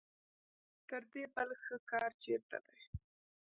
تر دې بل ښه کار چېرته دی.